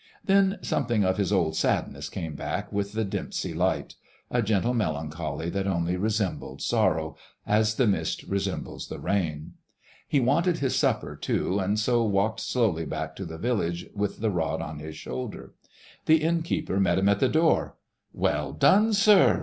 Then something of his old sadness came back with the dimpsey light,—a gentle melancholy that only resembled sorrow "as the mist resembles the rain." He wanted his supper, too, and so walked slowly back to the village with the rod on his shoulder. The inn keeper met him at the door: "Well done, sir!